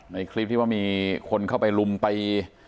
ในคลิปที่ว่ามีคนเข้าไปลุมตี